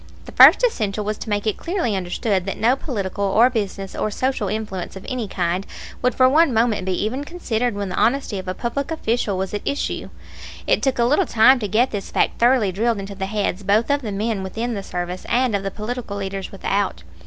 The first essential was to make it clearly understood that no political or business or social influence of any kind would for one moment be even considered when the honesty of a public official was at issue. It took a little time to get this fact thoroughly drilled into the heads both of the men within the service and of the political leaders without.